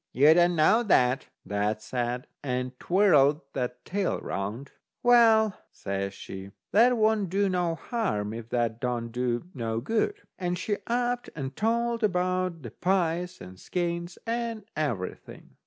"You don't know that," that said, and twirled that's tail round. "Well," says she, "that won't do no harm, if that don't do no good," and she upped and told about the pies, and the skeins, and everything.